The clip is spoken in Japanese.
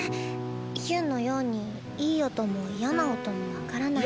ヒュンのようにいい音も嫌な音も分からない。